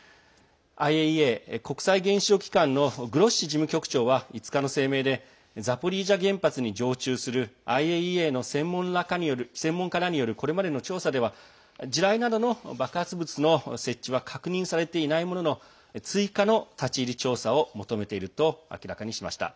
ＩＡＥＡ＝国際原子力機関のグロッシ事務局長は５日の声明でザポリージャ原発に常駐するＩＡＥＡの専門家らによるこれまでの調査では地雷などの爆発物の設置は確認されていないものの追加の立ち入り調査を求めていると明らかにしました。